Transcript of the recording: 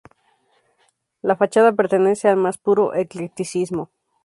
La fachada pertenece al más puro eclecticismo.